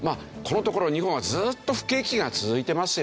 このところ日本はずーっと不景気が続いてますよね。